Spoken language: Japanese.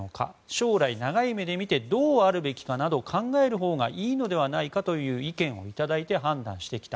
将来、長い目で見てどうあるべきかなどを考えるほうがいいのではないかという意見をいただいて判断してきた。